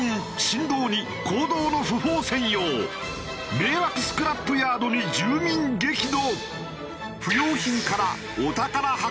迷惑スクラップヤードに住民激怒！